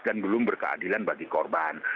dan belum berkeadilan bagi korban